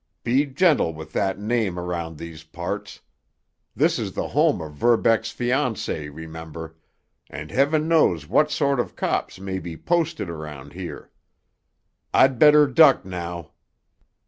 "Be gentle with that name around these parts. This is the home of Verbeck's fiancée, remember, and Heaven knows what sort of cops might be posted around here. I'd better duck now."